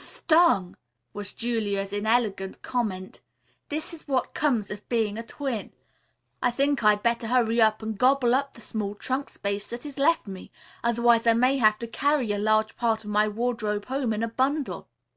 "Stung!" was Julia's inelegant comment. "This is what comes of being a twin. I think I'd better hurry and gobble up the small trunk space that is left me; otherwise I may have to carry a large part of my wardrobe home in a bundle."